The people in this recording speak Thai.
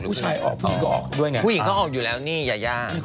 ผู้หญิงก็ออกอยู่แล้วนี่ยา